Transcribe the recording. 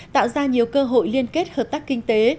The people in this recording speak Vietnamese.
tạo ra nhiều cơ hội liên kết hợp tác kinh tế